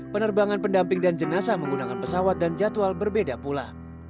penerbangan pendamping dan jenazah menggunakan pesawat dan jadwal berbeda pula